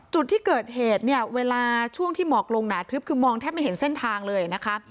จุดที่เกิดเหตุเนี่ยเวลาช่วงที่หมอกลงหนาทึบคือมองแทบไม่เห็นเส้นทางเลยนะคะ